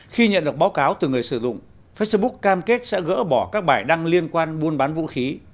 khi nhận được báo cáo từ người sử dụng facebook cam kết sẽ gỡ bỏ các bài đăng liên quan buôn bán vũ khí